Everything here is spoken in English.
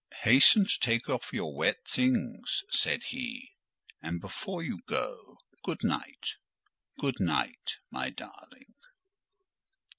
"Hasten to take off your wet things," said he; "and before you go, good night—good night, my darling!"